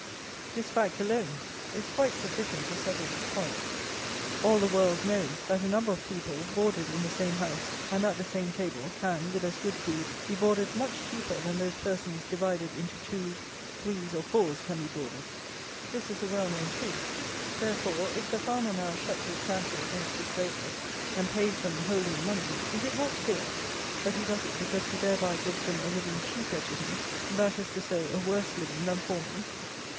This fact alone is quite sufficient to settle this point. All the world knows, that a number of people, boarded in the same house, and at the same table, can, with as good food, be boarded much cheaper than those persons divided into twos, threes, or fours, can be boarded. This is a well known truth: therefore, if the farmer now shuts his pantry against his labourers, and pays them wholly in money, is it not clear, that he does it because he thereby gives them a living cheaper to him; that is to say, a worse living than formerly?